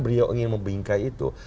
beliau ingin membingkai itu